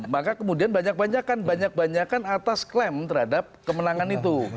maka kemudian banyak banyakan banyak banyakan atas klaim terhadap kemenangan itu